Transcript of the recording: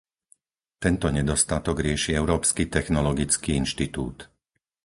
Tento nedostatok rieši Európsky technologický inštitút.